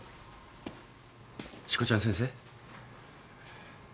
しこちゃん先生。